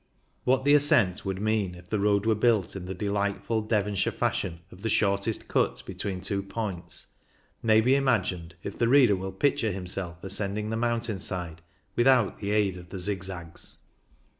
What the ascent would mean if the road were built in the delightful Devonshire fashion of the shortest cut between two points may be imagined if the reader will picture himself ascending the mountain side without the aid of the zigzags.